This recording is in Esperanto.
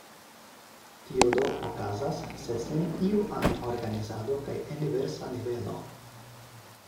Tio do okazas, sed sen iu ajn organizado kaj en diversa nivelo.